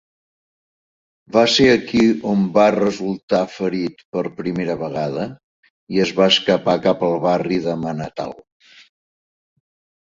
Va ser aquí on va resultar ferit per primera vegada i es va escapar cap al barri de "Manatal".